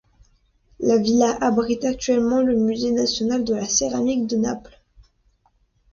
La Villa abrite actuellement le Musée National de la Céramique de Naples.